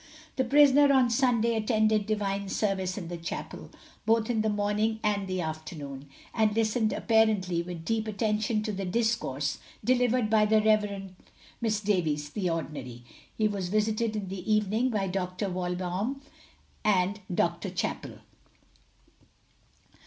The prisoner on Sunday attended Divine service in the chapel, both in the morning and the afternoon, and listened apparently with deep attention to the discourse delivered by the Rev. Mr. Davis, the Ordinary. He was visited in the evening by Dr. Walbaum and Dr. Cappell.